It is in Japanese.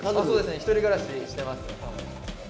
そうですね一人暮らししてます。